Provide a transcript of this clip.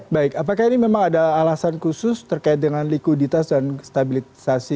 baik apakah ini memang ada alasan khusus terkait dengan likuiditas dan stabilisasi